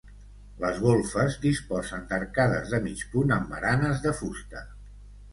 Les golfes disposen d'arcades de mig punt amb baranes de fusta.